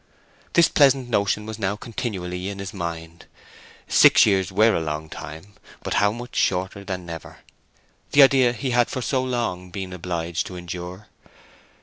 This pleasant notion was now continually in his mind. Six years were a long time, but how much shorter than never, the idea he had for so long been obliged to endure!